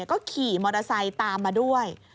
ก็ขี่มอเตอร์ไซค์ตามมาด้วย